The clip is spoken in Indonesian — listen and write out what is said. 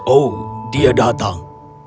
oh dia datang